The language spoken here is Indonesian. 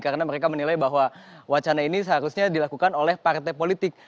karena mereka menilai bahwa wacana ini seharusnya dilakukan oleh partai politik